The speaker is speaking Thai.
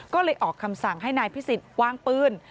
ก็เลยออกคำสั่งให้นายพิสิทธิ์วางปืน